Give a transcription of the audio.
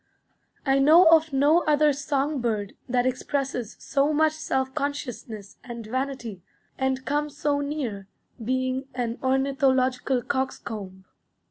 I know of no other song bird that expresses so much self consciousness and vanity, and comes so near being an ornithological coxcomb.